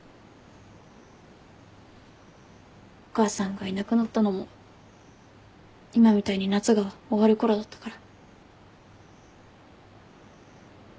お母さんがいなくなったのも今みたいに夏が終わる頃だったから。